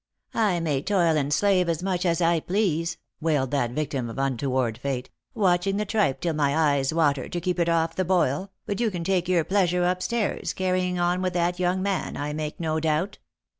61 " I may toil and slave as much as I please," wailed that victim ot untoward fate, "watching the tripe till my eyes water, to keep it off the boil, but you can take your pleasure up stairs, carrying on with that young man, I make no doubt."